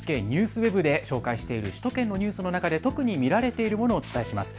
ＮＨＫＮＥＷＳＷＥＢで紹介している首都圏のニュースの中で特に見られているものをお伝えします。